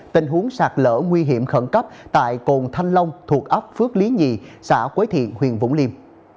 tình huống sạt lỡ nguy hiểm khẩn cấp tại cồn thanh long thuộc ấp phước lý nhì xã quế thiện huyện vũng liêm